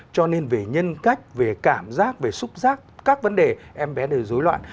cho nên về nhân cách về cảm giác về xúc giác các vấn đề em bé đều dối loạn